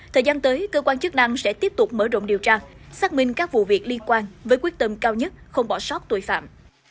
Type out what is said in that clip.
thời gian tới cơ quan chức năng sẽ tiếp tục mở rộng điều tra xác minh các vụ việc liên quan với quyết tâm cao nhất không bỏ sót tội phạm